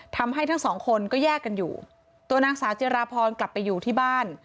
ทั้งสองคนก็แยกกันอยู่ตัวนางสาวจิราพรกลับไปอยู่ที่บ้าน